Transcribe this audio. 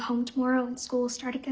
うん。